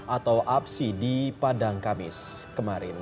atau apsi di padang kamis kemarin